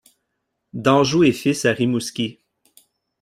D'Anjou et Fils à Rimouski.